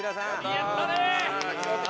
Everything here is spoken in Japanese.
やったね！